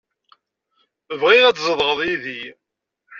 Bɣiɣ ad tzedɣeḍ yid-i